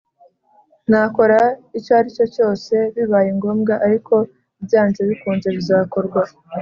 nakora icyo aricyo cyose bibaye ngombwa ariko byanze bikunze bizakorwa